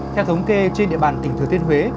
theo thống kê trên địa bàn tỉnh thừa thiên huế